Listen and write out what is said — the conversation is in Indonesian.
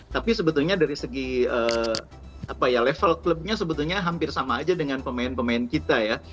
tapi sebetulnya dari segi apa ya level clubnya sebetulnya hampir sama aja dengan pemain pemain kita ya